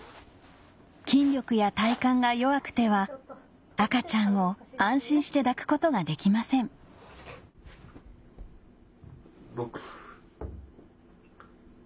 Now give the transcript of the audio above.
筋力や体幹が弱くては赤ちゃんを安心して抱くことができません６。